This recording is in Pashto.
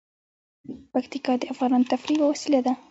پکتیکا د افغانانو د تفریح یوه وسیله ده.